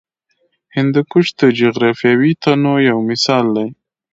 هندوکش د جغرافیوي تنوع یو مثال دی.